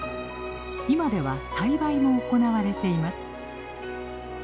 今では栽培も行われています。